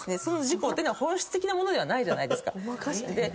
その自己は本質的なものではないじゃないですか。